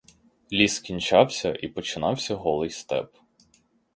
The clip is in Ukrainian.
Ліс кінчався і починався голий степ.